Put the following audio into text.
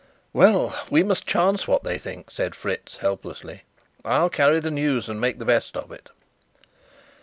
"Well, we must chance what they think," said Fritz helplessly. "I'll carry the news and make the best of it."